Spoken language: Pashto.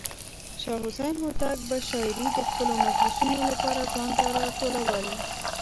شاه حسين هوتک به شاعران د خپلو مجلسونو لپاره ځان ته راټولول.